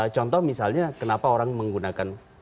contoh misalnya kenapa orang menggunakan